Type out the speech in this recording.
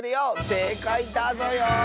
せいかいだぞよ。